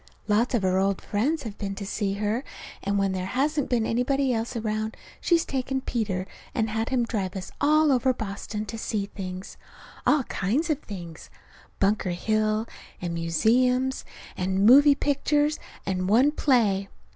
Lots of her old friends have been to see her; and when there hasn't been anybody else around she's taken Peter and had him drive us all over Boston to see things; all kinds of things; Bunker Hill and museums, and moving pictures, and one play.